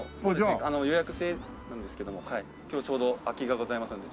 予約制なんですけども今日ちょうど空きがございますので。